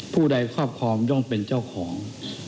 ผู้ใดครอบครองย่อมเป็นเจ้าของ